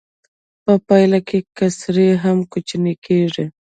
په پایله کې کسر هم کوچنی کېږي